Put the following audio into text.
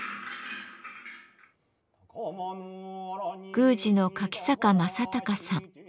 宮司の柿坂匡孝さん。